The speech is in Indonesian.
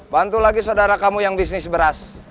bantu lagi saudara kamu yang bisnis beras